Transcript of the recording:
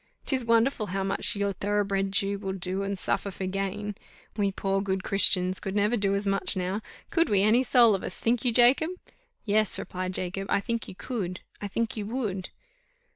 'Tis wonderful how much your thoroughbred Jew will do and suffer for gain. We poor good Christians could never do as much now could we any soul of us, think you, Jacob?" "Yes," replied Jacob, "I think you could, I think you _would."